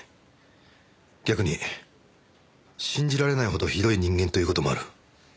逆に信じられないほどひどい人間という事もある。